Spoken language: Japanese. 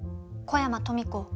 小山富子。